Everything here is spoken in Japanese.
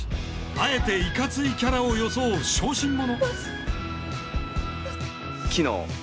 あえていかついキャラを装う小心者。